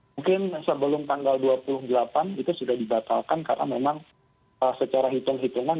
mungkin sebelum tanggal dua puluh delapan itu sudah dibatalkan karena memang secara hitung hitungan